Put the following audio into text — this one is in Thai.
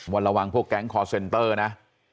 ระวังพวกแก๊งคอร์เซนเตอร์นะ